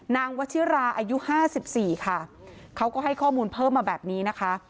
วัชิราอายุห้าสิบสี่ค่ะเขาก็ให้ข้อมูลเพิ่มมาแบบนี้นะคะ